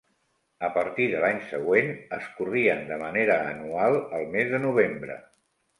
A partir de l'any següent, es corrien de manera anual, al mes de novembre.